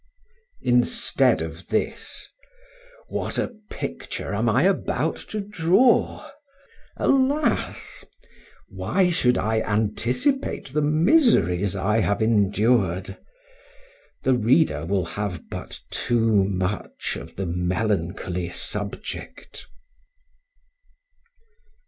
Instead of this what a picture am I about to draw! Alas! why should I anticipate the miseries I have endured? The reader will have but too much of the melancholy subject.